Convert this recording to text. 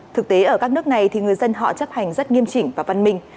thực tế ở các nước này thì người dân họ chấp hành rất nghiêm chỉnh và văn minh